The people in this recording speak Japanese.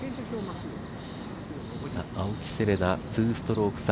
青木瀬令奈、２ストローク差。